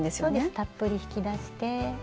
たっぷり引き出して。